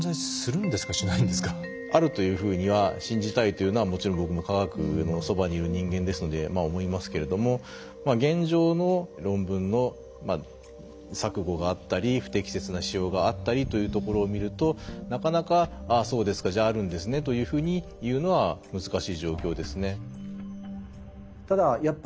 あるというふうには信じたいというのはもちろん僕も科学のそばにいる人間ですのでまあ思いますけれども現状の論文の錯誤があったり不適切な使用があったりというところを見るとなかなか「ああそうですかじゃああるんですね」というふうに言うのは難しい状況ですね。